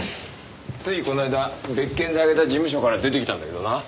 ついこの間別件であげた事務所から出てきたんだけどな。